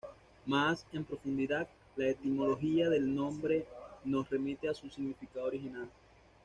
Más en profundidad, la etimología del nombre nos remite a su significado original.